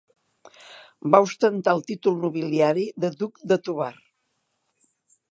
Va ostentar el títol nobiliari de duc de Tovar.